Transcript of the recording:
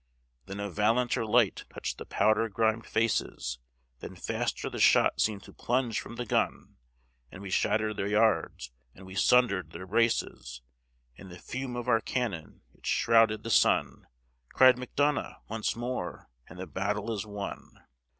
Then a valianter light touched the powder grimed faces; Then faster the shot seemed to plunge from the gun; And we shattered their yards and we sundered their braces, And the fume of our cannon it shrouded the sun; Cried Macdonough _Once more, and the battle is won!